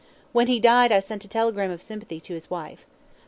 When he died I sent a telegram of sympathy to his wife.